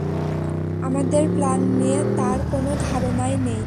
আমাদের প্ল্যান নিয়ে তার কোন ধারনাই নেই।